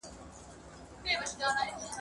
د لېوه بچی لېوه سي ..